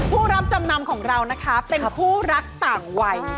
ผู้รับจำนำของเรานะคะเป็นคู่รักต่างวัย